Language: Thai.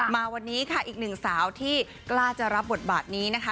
มาวันนี้ค่ะอีกหนึ่งสาวที่กล้าจะรับบทบาทนี้นะคะ